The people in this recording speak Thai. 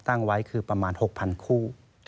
ตั้งไว้คือประมาณ๖๐๐คู่